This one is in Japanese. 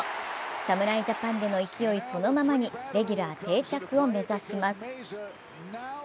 侍ジャパンでの勢いそのままにレギュラー定着を目指します。